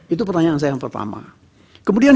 itu pertanyaan saya yang pertama kemudian